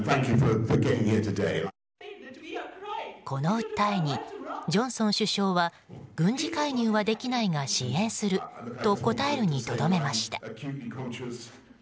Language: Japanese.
この訴えにジョンソン首相は軍事介入はできないが支援すると答えるにとどめました。